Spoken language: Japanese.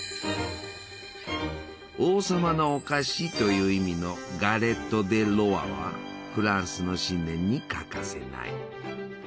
「王様のお菓子」という意味のガレット・デ・ロワはフランスの新年に欠かせない。